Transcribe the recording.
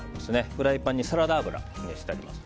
フライパンにサラダ油熱してあります。